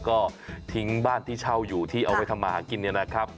ก็ทิ้งบ้านที่เช่าอยู่ที่เอาไว้ทำมาหากินเนี่ยนะครับ